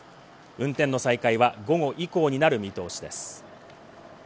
運転の再開は午後以降になる見通しです。